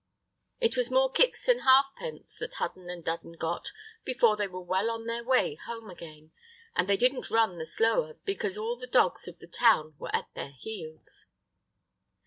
It was more kicks than halfpence that Hudden and Dudden got before they were well on their way home again, and they didn't run the slower because all the dogs of the town were at their heels.